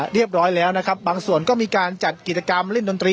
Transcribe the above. เรียบร้อยแล้วนะครับบางส่วนก็มีการจัดกิจกรรมเล่นดนตรี